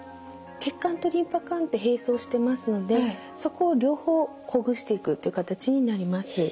血管とリンパ管って並走してますのでそこを両方ほぐしていくという形になります。